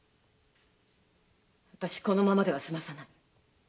私このままでは済まさない。